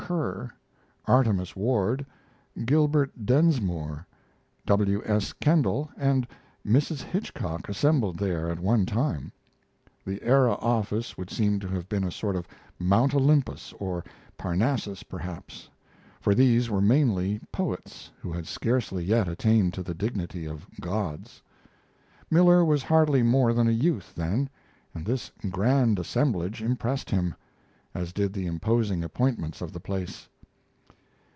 Kerr, Artemus Ward, Gilbert Densmore, W. S. Kendall, and Mrs. Hitchcock assembled there at one time. The Era office would seem to have been a sort of Mount Olympus, or Parnassus, perhaps; for these were mainly poets, who had scarcely yet attained to the dignity of gods. Miller was hardly more than a youth then, and this grand assemblage impressed him, as did the imposing appointments of the place.